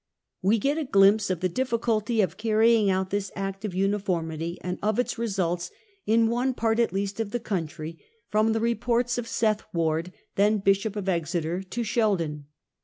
We get a glimpse of the difficulty of carrying out this Act of Uniformity, and of its results, in one part at least of the country, from the reports of Seth Ward, then Bishop of Exeter, to Sheldon.